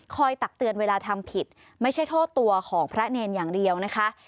ตักเตือนเวลาทำผิดไม่ใช่โทษตัวของพระเนรอย่างเดียวนะคะ